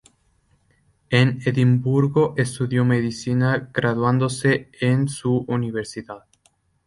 En Edimburgo estudió Medicina, graduándose en su universidad.